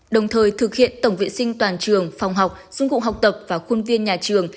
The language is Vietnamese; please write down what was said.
đồng thời thực hiện tổng vệ sinh toàn trường phòng học dụng cụ học tập và khuôn viên nhà trường